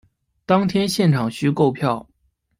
当天现场须购票